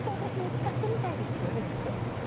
使ってみたいですって言われるんです。